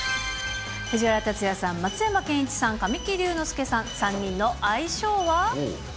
藤原竜也さん、松山ケンイチさん、神木隆之介さん、３人の相性は？